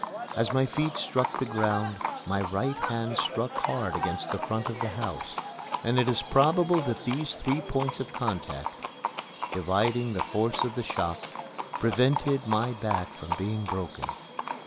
As my feet struck the ground my right hand struck hard against the front of the house, and it is probable that these three points of contact, dividing the force of the shock, prevented my back from being broken.